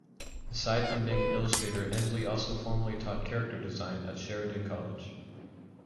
Aside from being an illustrator, Emslie also formerly taught character design at Sheridan College.